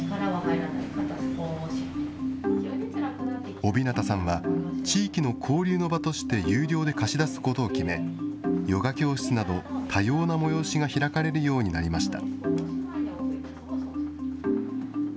尾日向さんは地域の交流の場として有料で貸し出すことを決め、ヨガ教室など多様な催しが開かれるようになりました。